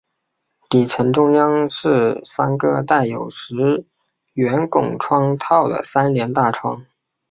底层中央是三个带有石圆拱窗套的三联大窗。